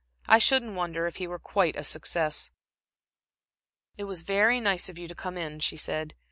I shouldn't wonder if he were quite a success." "It was very nice of you to come in," she said.